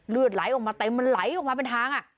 เลือดไหลออกมาเต็มมันไหลออกมาเป็นทาง